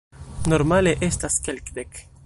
Normale estas kelkdek.